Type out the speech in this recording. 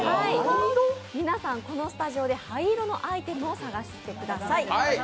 皆さん、このスタジオで灰色のアイテムを探してください。